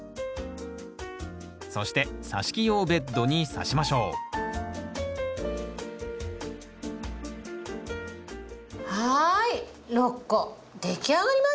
そしてさし木用ベッドにさしましょうはい６個出来上がりました！